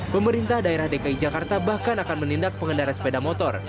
pemerintah daerah dki jakarta bahkan akan menindak pengendara sepeda motor